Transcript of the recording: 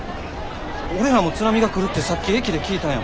俺らも津波が来るってさっき駅で聞いたんや。